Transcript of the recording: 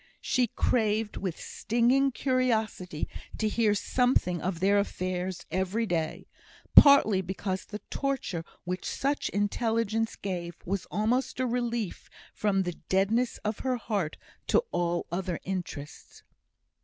She craved with stinging curiosity to hear something of their affairs every day; partly because the torture which such intelligence gave was almost a relief from the deadness of her heart to all other interests.